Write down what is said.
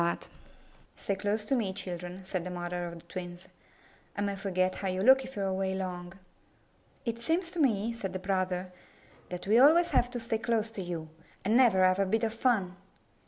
''Stay close to me, children,'* said the mother of the twins. "I may forget how you look if you are away long.'' "It seems to me," said the brother, "that we always have to stay close to you. I never have a bit of fun!"